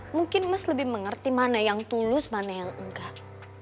mungkin mas lebih mengerti mana yang tulus mana yang enggak